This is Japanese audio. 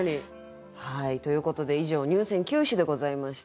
はいということで以上入選九首でございました。